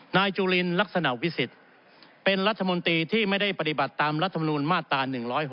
จุลินลักษณะวิสิทธิ์เป็นรัฐมนตรีที่ไม่ได้ปฏิบัติตามรัฐมนูลมาตรา๑๖